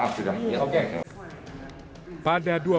kami tidak minta maaf juga